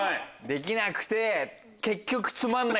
できなくて結局。